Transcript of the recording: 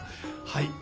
はい。